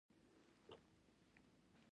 زردالو کله راځي؟